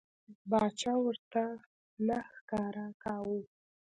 باچا ورته نه ښکاره کاوه.